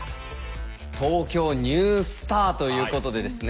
「ＴＯＫＹＯニュースター」ということでですね